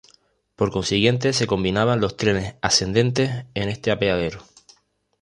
Por consiguiente se combinaban los trenes ascendentes en este apeadero.